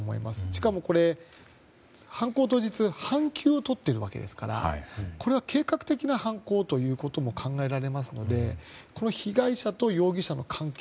しかもこれ、犯行当日半休を取っているわけですから計画的な犯行ということも考えられますので被害者と容疑者の関係。